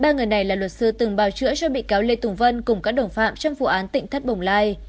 ba người này là luật sư từng bào chữa cho bị cáo lê tùng vân cùng các đồng phạm trong vụ án tỉnh thất bồng lai